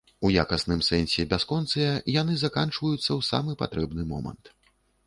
У якасным сэнсе бясконцыя, яны заканчваюцца ў самы патрэбны момант.